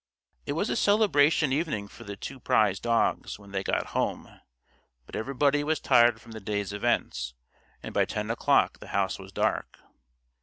It was a celebration evening for the two prize dogs, when they got home, but everybody was tired from the day's events, and by ten o'clock the house was dark.